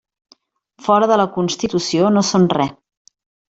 Fora de la Constitució no són res.